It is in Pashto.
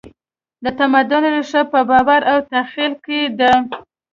د تمدن ریښه په باور او تخیل کې ده.